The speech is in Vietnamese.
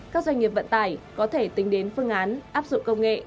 các doanh nghiệp vận tải có thể tính đến phương án áp dụng công nghệ